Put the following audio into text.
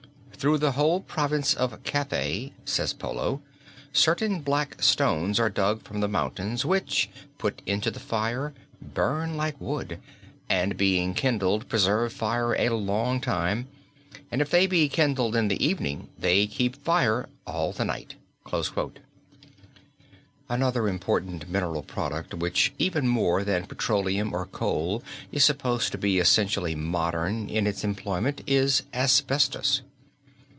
"Through the whole Province of Cathay," says Polo, "certain black stones are dug from the mountains, which, put into the fire, burn like wood, and being kindled, preserve fire a long time, and if they be kindled in the evening they keep fire all the night." Another important mineral product which even more than petroleum or coal is supposed to be essentially modern in its employment is asbestos.